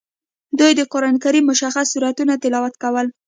دوی د قران کریم مشخص سورتونه تلاوت کول.